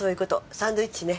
サンドイッチね。